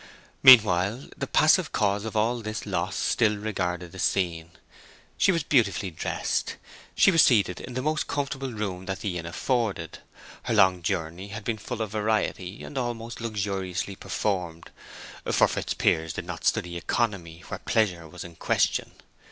Meanwhile, the passive cause of all this loss still regarded the scene. She was beautifully dressed; she was seated in the most comfortable room that the inn afforded; her long journey had been full of variety, and almost luxuriously performed—for Fitzpiers did not study economy where pleasure was in question.